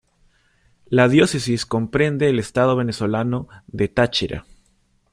La diócesis comprende el estado venezolano de Táchira.